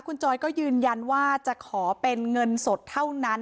คุณจอยก็ยืนยันว่าจะขอเป็นเงินสดเท่านั้น